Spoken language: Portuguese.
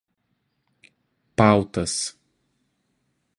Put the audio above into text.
pautas